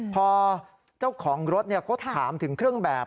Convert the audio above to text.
พอเจ้าของรถเขาถามถึงเครื่องแบบ